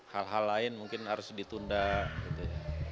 hal hal lain mungkin harus ditunda gitu ya